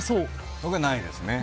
僕はないですね。